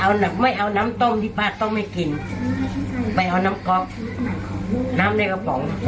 เอาไม่เอาน้ำต้มที่ป้าต้องไม่กินไปเอาน้ำก๊อกน้ำในกระป๋อง